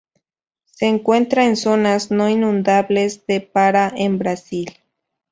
Se encuentra en zonas no inundables de Para en Brasil